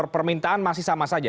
permintaan masih sama saja